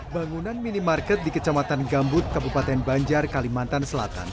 bangunan minimarket di kecamatan gambut kabupaten banjar kalimantan selatan